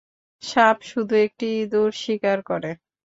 সাপ শুধু একটি ইঁদুর শিকার করে।